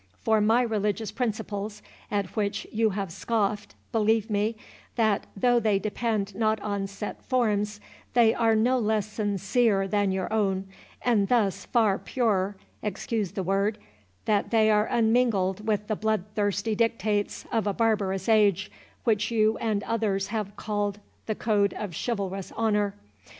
For my religious principles, at which you have scoffed, believe me, that though they depend not on set forms, they are no less sincere than your own, and thus far purer—excuse the word—that they are unmingled with the blood thirsty dictates of a barbarous age, which you and others have called the code of chivalrous honour.